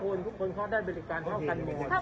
หมดเลยไม่ใช่ไม่คุณก็ได้ได้พี่ก่อนรู้แบบเนี้ยเออผม